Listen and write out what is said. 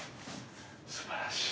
すばらしい。